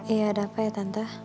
iya ada apa ya tante